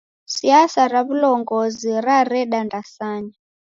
Siasa ra w'ulongozi rareda ndasanya.